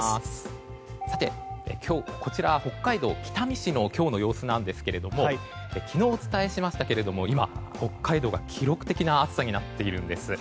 今日、こちら北海道北見市の今日の様子なんですけれども昨日お伝えしましたけれども今、北海道が記録的な暑さになっているんです。